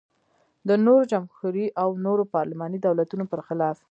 د نورو جمهوري او نورو پارلماني دولتونو پرخلاف.